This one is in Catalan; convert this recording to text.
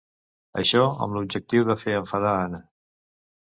Això amb l'objectiu de fer enfadar Anna.